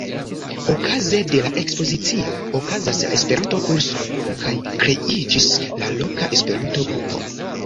Okaze de la ekspozicio okazas la Esperanto-kurso kaj kreiĝis la loka Esperanto-grupo.